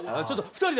２人で？